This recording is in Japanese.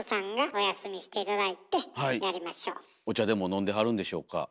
お茶でも飲んではるんでしょうか。